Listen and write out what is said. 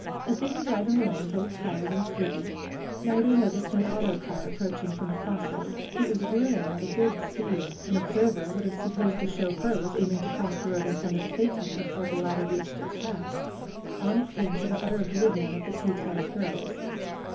As they were driving along, both tired and sleepy, neither noticed an autocar approaching from a cross road. It was whirling at a good speed. An observer PRUE'S GARDENER m would have supposed the chauffeur was aiming to cross the road in front of the phaeton before the latter reached its path. On it came to the utter oblivion of the two tired girls.